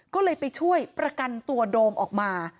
ก็เลยไปช่วยประกันตัวโดมออกมา